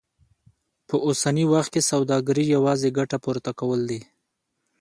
په اوسني وخت کې سوداګري يوازې ګټه پورته کول دي.